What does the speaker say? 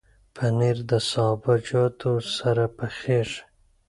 پنېر د سابهجاتو سره پخېږي.